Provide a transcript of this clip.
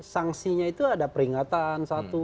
sanksinya itu ada peringatan satu